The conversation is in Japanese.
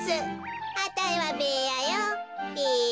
あたいはベーヤよべ。